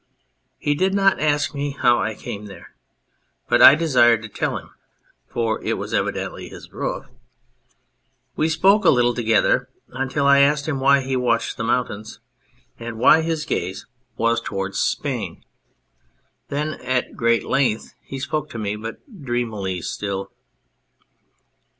He did not ask me how I came there, but I desired to tell him, for it was evidently his roof. We spoke a little together until I asked him why he watched the mountains and why his gaze was B On Anything towards Spain ; then at great length he spoke to me, but dreamily still.